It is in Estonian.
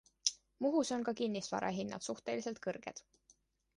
Muhus on ka kinnisvara hinnad suhteliselt kõrged.